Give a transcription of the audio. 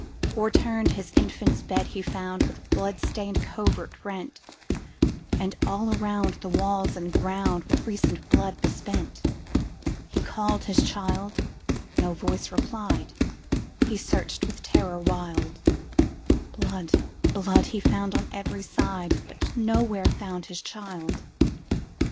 O'erturned his infant's bed he found, With blood stained covert rent; And all around the walls and groundWith recent blood besprent. He called his child,—no voice replied,—He searched with terror wild; Blood, blood, he found on every side, But nowhere found his child.